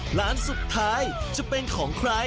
พรุ่งนี้๕สิงหาคมจะเป็นของใคร